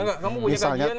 enggak kamu punya kajian gak